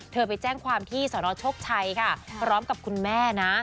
เธอไปแจ้งความที่สนชกชัยพร้อมกับคุณแม่นะ